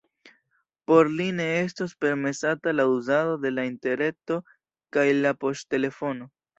Por li ne estos permesata la uzado de la interreto kaj la poŝtelefono.